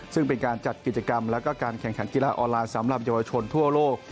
ซึ่งเป็นการจัดกิจกรรมแล้วก็การแข่งขันกีฬาออนไลน์สำหรับเยาวชนทั่วโลก